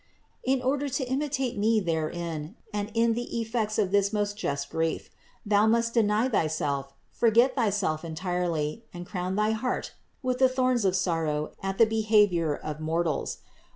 In order to imitate me therein and in the effects of this most just grief, thou must deny thyself, forget thyself entirely, and crown thy heart with the thorns of sorrow at the behavior of mortals.